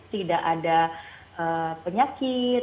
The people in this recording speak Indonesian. tidak ada penyakit